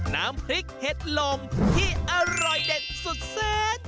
น้ำพริกเห็ดลมที่อร่อยเด็ดสุดแซน